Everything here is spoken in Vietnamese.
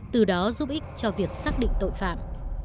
từ đó giúp ích cho việc xác định tội phạm